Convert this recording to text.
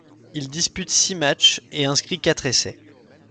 Il dispute six matchs et inscrit quatre essais.